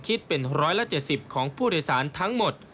คิดเป็น๑๗๐ของผู้โดยสารทั้งหมด